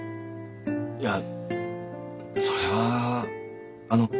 いやそれはあの。